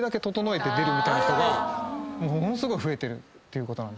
みたいな人がものすごい増えてるっていうことなんです。